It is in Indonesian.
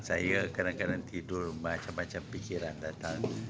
saya kadang kadang tidur macam macam pikiran datang